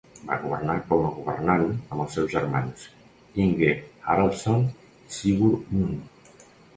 Va governar com a governant amb els seus germans, Inge Haraldsson i Sigurd Munn.